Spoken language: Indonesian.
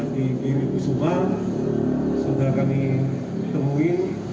di bibi kusuma sudah kami temuin